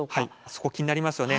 そこ気になりますよね。